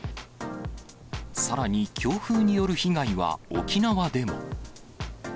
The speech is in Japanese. さらに強風による被害は沖縄でも。